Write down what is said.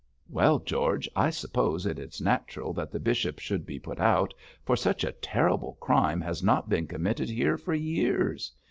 'Well, George, I suppose it is natural that the bishop should be put out, for such a terrible crime has not been committed here for years.